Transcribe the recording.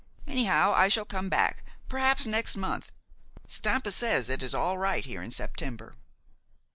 Anyhow, I shall come back, perhaps next month. Stampa says it is all right here in September."